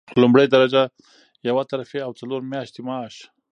لومړۍ درجه یوه ترفیع او څلور میاشتې معاش.